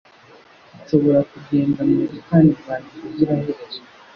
Nshobora kugenda mu busitani bwanjye ubuziraherezo.”